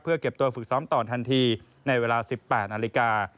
เก็บตัวฝึกซ้อมต่อทันทีในเวลา๑๘นาฬิกา